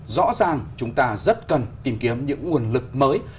rõ ràng chúng ta rất cần tìm kiếm những nguồn lực mới